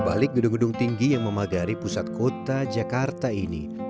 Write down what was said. balik gedung gedung tinggi yang memagari pusat kota jakarta ini